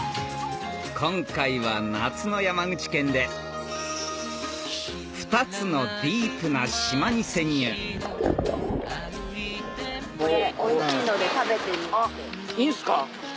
今回は夏の山口県で２つのディープな島に潜入あっいいんすか？